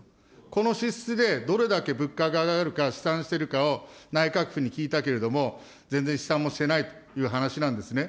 この支出でどれだけ物価が上がるか試算しているかを内閣府に聞いたけれども、全然試算もしてないという話なんですね。